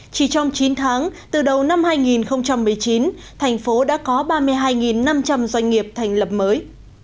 chỉ trong chín tháng từ đầu năm hai nghìn một mươi chín thành phố đã có ba mươi hai năm trăm linh doanh nghiệp thành lập mới